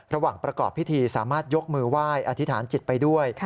ระหว่างประกอบพิธีสามารถยกมือไหว้อธิษฐานจิตไปด้วย